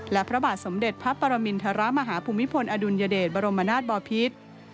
และพระบาทสมเด็จพระปรมินทรมาฮภูมิพลอดุลยเดชบรมนาศบอพิษ